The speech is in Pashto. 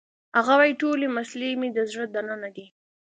هغه وایی ټولې مسلې مې د زړه دننه دي